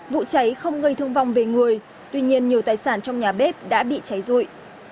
vụ cháy không gây thương vong về người tuy nhiên nhiều tài sản trong nhà bếp đã bị cháy rụi